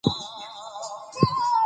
دوی به له هراته را رسېدلي وي.